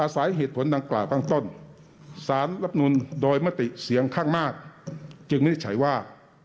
สารรับนุนโดยมติเสียงข้างมากจึงนิจฉัยว่า